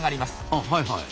あはいはい。